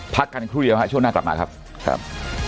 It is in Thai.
พักกันครู่เดียวครับช่วงหน้ากลับมาครับ